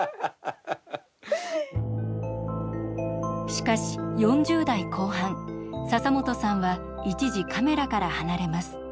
しかし４０代後半笹本さんは一時カメラから離れます。